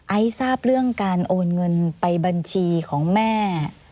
ทราบเรื่องการโอนเงินไปบัญชีของแม่